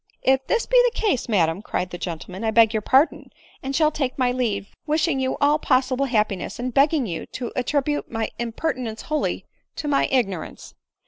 " If this be the case, madam," cried the gentleman, " I beg your pardon, and shall take my leave, wishing you all possible happiness, and begging you to attribute iny impertinence wholly to my ignorance."